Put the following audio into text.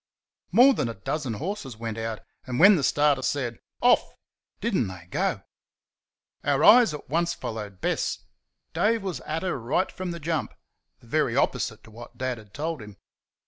More than a dozen horses went out, and when the starter said "Off!" did n't they go! Our eyes at once followed Bess. Dave was at her right from the jump the very opposite to what Dad had told him.